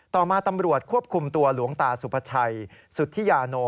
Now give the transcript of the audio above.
ต่อมาตำรวจควบคุมตัวหลวงตาสุภาชัยสุธิยาโน